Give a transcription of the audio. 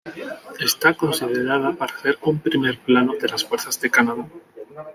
Está considerada para ser un primer plano de las fuerzas de Canadá.